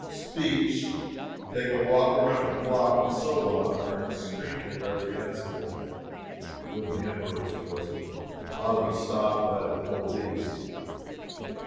"Speech!" "Take a walk round the block!" and so on, are extremely reprehensible, when the Emperor is present, and ought to be stopped by the police.